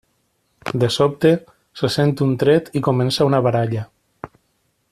De sobte, se sent un tret i comença una baralla.